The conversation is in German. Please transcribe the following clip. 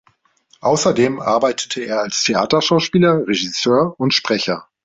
Außerdem arbeitete er als Theaterschauspieler, Regisseur und Sprecher.